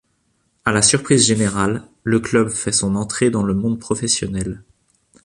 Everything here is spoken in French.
À la surprise générale, le club fait son entrée dans le monde professionnel.